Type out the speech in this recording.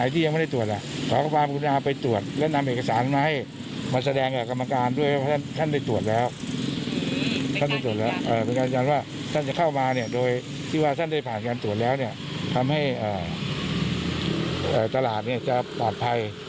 ที่ว่าท่านได้ผ่านการตรวจแล้วเนี่ยทำให้ตลาดเนี่ยจะปลอดภัย